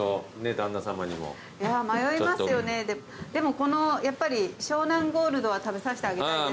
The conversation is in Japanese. でもこのやっぱり湘南ゴールドは食べさせてあげたいですね。